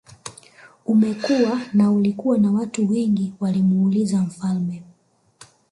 Umekua na ulikuwa na watu wengi walimuuliza mfalme